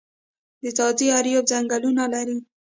د ځاځي اریوب ځنګلونه لري